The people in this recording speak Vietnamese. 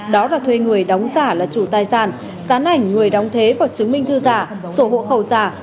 đó là thuê người đóng giả là chủ tài sản giá ảnh người đóng thế và chứng minh thư giả sổ hộ khẩu giả